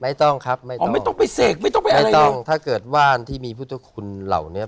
ไม่ต้องครับไม่ต้องไม่ต้องไปเสกไม่ต้องไปอะไรต้องถ้าเกิดว่านที่มีพุทธคุณเหล่านี้